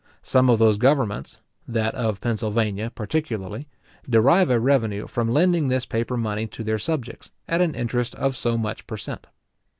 Some of those governments, that of Pennsylvania, particularly, derive a revenue from lending this paper money to their subjects, at an interest of so much per cent.